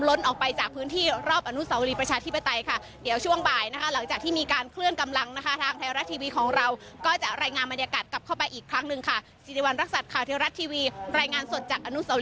ประชาธิปไตยค่ะครับขอบคุณทิมข่าวนะฮะ